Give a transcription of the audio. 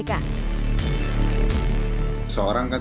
seorang kan tidak berpikir